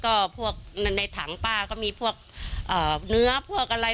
ก็พวกในถังป้าก็มีพวกเนื้อพวกอะไร